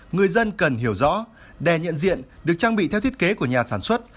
người dân cần hiểu rõ đèn nhận diện được trang bị theo thiết kế của nhà sản xuất